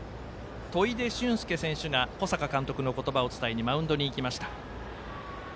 砥出隼介選手が小坂監督の指示を伝えにマウンドに行きました。